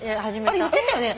あれっ言ってたよね。